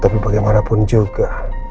tapi bagaimanapun juga